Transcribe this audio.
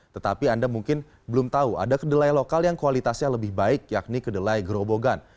tetapi anda mungkin belum tahu ada kedelai lokal yang kualitasnya lebih baik yakni kedelai gerobogan